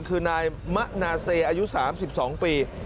คือนายมะนาเซอายุสามสิบสองปี